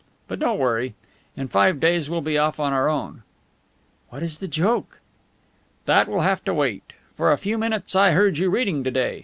But don't worry. In five days we'll be off on our own." "What is the joke?" "That will have to wait. For a few minutes I heard you reading to day.